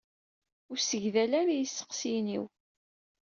Ur segdal ara i yiseqsiyen-iw.